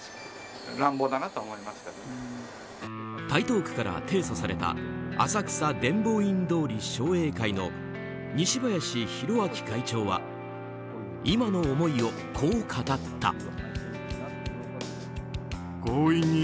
台東区から提訴された浅草伝法院通り商栄会の西林宏章会長は今の思いをこう語った。